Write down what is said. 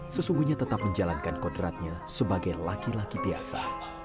sesungguhnya tetap menjalankan kodratnya sebagai laki laki biasa